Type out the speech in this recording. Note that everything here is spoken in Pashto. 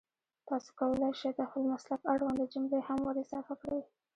تاسو کولای شئ د خپل مسلک اړونده جملې هم ور اضافه کړئ